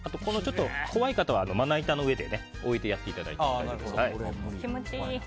怖い方は、まな板の上で置いてやっていただいて。